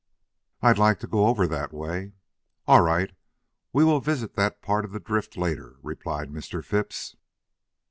"I'd like to go over that way." "All right, we will visit that part of the drift later," replied Mr. Phipps.